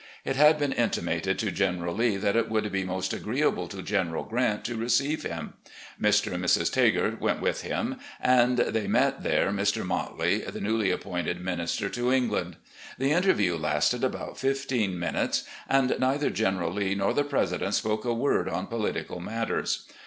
It had been intimated to General Lee that it would be most agreeable to General Grant to receive him. Mr. and Mrs. Tagart went with him, and they met there Mr. Motley, the newly appointed Minister to England. The interview lasted about fifteen minutes, and neither General Lee nor the President spoke a word on political matters.